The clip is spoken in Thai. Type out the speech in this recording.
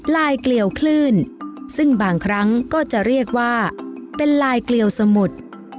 ลายเกลียวคลื่นซึ่งบางครั้งก็จะเรียกว่าเป็นลายเกลียวสมุด